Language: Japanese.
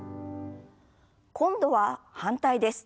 今度は反対です。